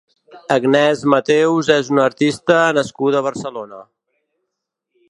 Agnès Mateus és una artista nascuda a Barcelona.